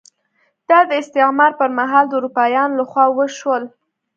دا د استعمار پر مهال د اروپایانو لخوا وشول.